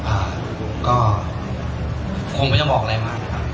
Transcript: อ่าก็คงไม่ได้บอกอะไรมากนะครับ